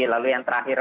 lalu yang terakhir